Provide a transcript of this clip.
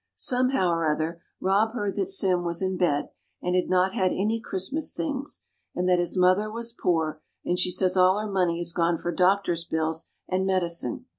Somehow or other, Rob heard that Sim was in bed, and had not had any Christmas things, and that his mother was poor; and she says all her money has gone for doctor's bills and medicine.